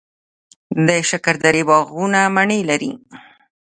د شکردرې باغونه مڼې لري.